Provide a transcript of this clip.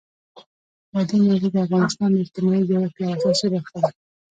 بادي انرژي د افغانستان د اجتماعي جوړښت یوه اساسي برخه ده.